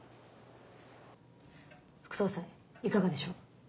副総裁いかがでしょう？